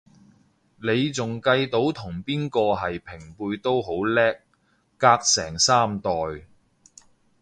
你仲計到同邊個係平輩都好叻，隔成三代